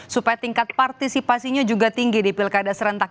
supaya tingkat partisipasinya juga tinggi di pilkada serentak